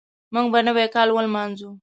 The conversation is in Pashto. موږ به نوی کال ولمانځو.